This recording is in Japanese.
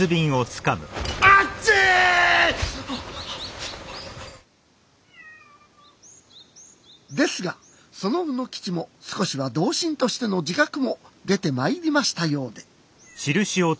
あっち！ですがその卯之吉も少しは同心としての自覚も出てまいりましたようで。